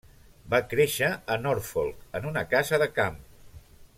Va créixer a Norfolk, en una casa de camp.